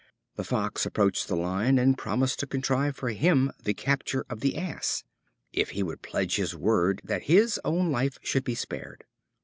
The Fox approached the Lion and promised to contrive for him the capture of the Ass, if he would pledge his word that his own life should be spared.